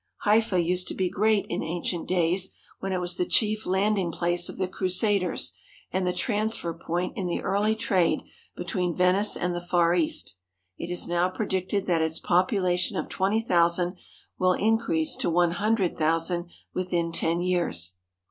Haifa used to be 285 THE HOLY LAND AND SYRIA great in ancient days, when it was the chief landing place of the Crusaders and the transfer point in the early trade between Venice and the Far East. It is now pre dicted that its population of twenty thousand will in crease to one hundred thousand within ten years.